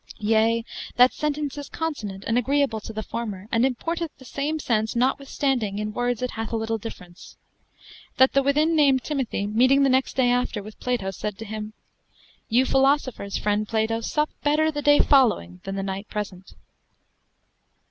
Yea, that sentence is consonant and agreeable to the former, and importeth the same sense notwithstanding in words it hath a little difference. That the within named Timothy meeting the next day after with Plato said to him: "You philosophers, freend Plato, sup better the day following than the night present."